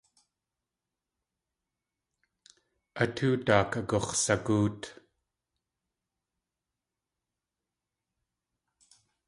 A tóo daak agux̲sagóot.